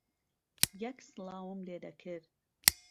یەک سڵاوم لێ دەکرد